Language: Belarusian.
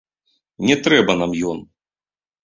Не трэба нам ён.